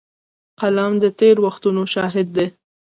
قلم د تېر وختونو شاهد دی